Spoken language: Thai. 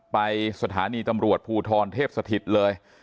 ไปสถานีตำรวจภูทรเทพสถิตเลย